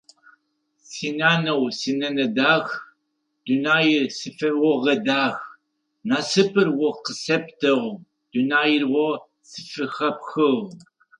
Синанэу синэнэ дах, дунаир сфэогъэдах, насыпыр о къысэптыгъ, дунаир о сфыхэпхыгъ.